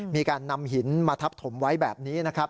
มีการนำหินมาทับถมไว้แบบนี้นะครับ